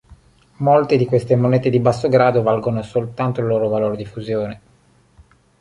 Molte di queste monete di basso grado valgono soltanto il loro valore di fusione.